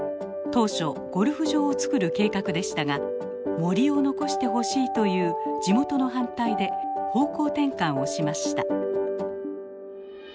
当初ゴルフ場をつくる計画でしたが森を残してほしいという地元の反対で方向転換をしました。